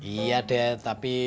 iya ded tapi